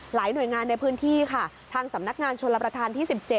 หน่วยงานในพื้นที่ค่ะทางสำนักงานชนรับประทานที่๑๗